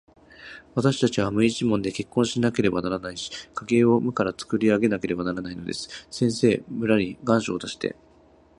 わたしたちは無一文で結婚しなければならないし、家計を無からつくり上げなければならないのです。先生、村に願書を出して、